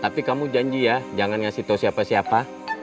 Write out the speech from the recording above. tapi kamu janji ya jangan ngasih tahu siapa siapa